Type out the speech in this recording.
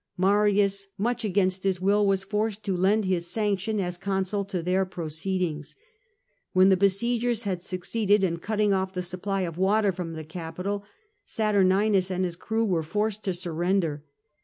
Marins, much against his will, W'as forced to lend his sanction as consul to their proceedings. When the besiegers had succeeded in cutting off the supply of water from the Capitol, Saturninus and his crew were forced to surrender.